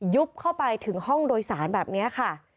เข้าไปถึงห้องโดยสารแบบนี้ค่ะ